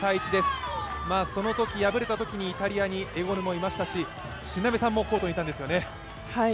そのとき、敗れたときにイタリア、エゴヌがいましたし新鍋さんもコートにいたんですよね。